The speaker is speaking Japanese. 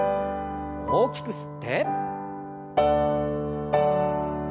大きく吸って。